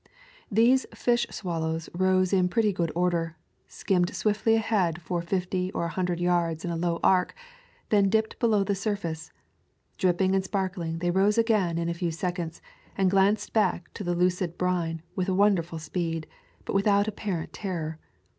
These fish swallows rose in pretty good order, skimmed swiftly ahead for fifty or a hundred yards in a low arc, then dipped below the sur face. Dripping and sparkling, they rose again in a few seconds and glanced back into the lucid brine with wonderful speed, but without appar ent terror.